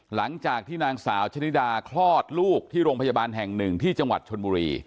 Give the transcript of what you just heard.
หลังจากที่นางสาวชะนิดาคลอดลูกที่โรงพยาบาลแห่งหนึ่งที่จังหวัดชนบุรี